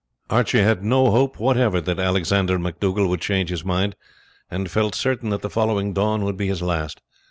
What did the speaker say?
Archie had no hope whatever that Alexander MacDougall would change his mind, and felt certain that the following dawn would be his last.